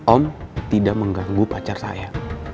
om tidak mengganggu pacar saya